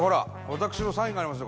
私のサインがありますよ